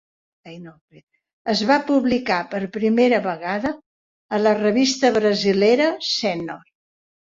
Es va publicar per primera vegada a la revista brasilera "Senhor".